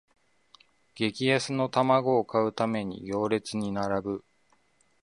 激安の玉子を買うために行列に並ぶ